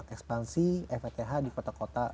ekspansi feth di kota kota